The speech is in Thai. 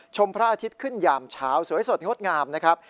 พระอาทิตย์ขึ้นยามเช้าสวยสดงดงามนะครับ